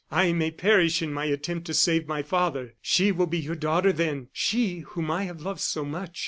I may perish in my attempt to save my father. She will be your daughter then she whom I have loved so much.